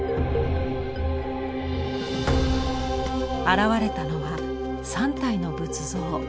現れたのは３体の仏像。